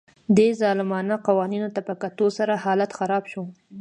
دې ظالمانه قوانینو ته په کتو سره حالت خراب شو